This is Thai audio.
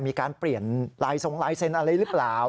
มีการเปลี่ยนลายทรงลายเซ็นต์อะไรหรือเปล่า